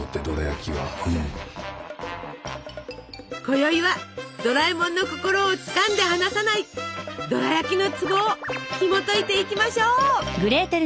こよいはドラえもんの心をつかんで離さないドラやきのツボをひもといていきましょう！